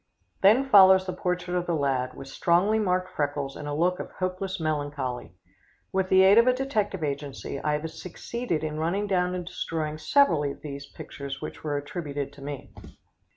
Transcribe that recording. Then follows the portrait of the lad, with strongly marked freckles and a look of hopeless melancholy. With the aid of a detective agency, I have succeeded in running down and destroying several of these pictures which were attributed to me.